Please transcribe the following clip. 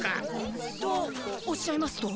とおっしゃいますと？